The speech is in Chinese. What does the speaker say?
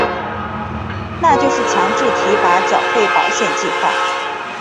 那就是强制提拨缴费保险计划。